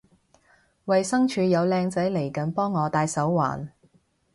衛生署有靚仔嚟緊幫我戴手環